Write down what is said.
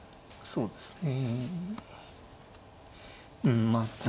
そうですね。